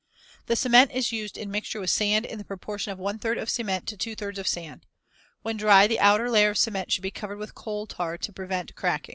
The cement is used in mixture with sand in the proportion of one third of cement to two thirds of sand. When dry, the outer layer of cement should be covered with coal tar to prevent cracking.